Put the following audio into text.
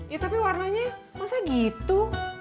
ya tapi warnanya masa gitu